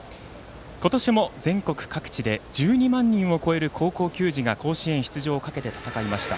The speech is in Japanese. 今年も全国各地で１２万人を超える高校球児が甲子園出場をかけて戦いました。